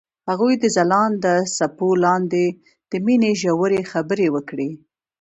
هغوی د ځلانده څپو لاندې د مینې ژورې خبرې وکړې.